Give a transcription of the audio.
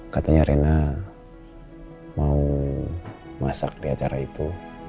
katanya rena mau masak di acara itu